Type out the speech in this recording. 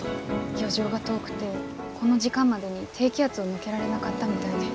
漁場が遠くてこの時間までに低気圧を抜けられなかったみたいで。